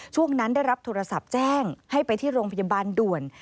ช่วงนั้นได้รับโทรศัพท์แจ้งให้ไปที่โรงพยาบาลด่วน